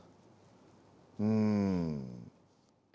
うん。